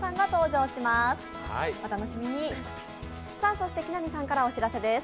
そして木南さんからお知らせです。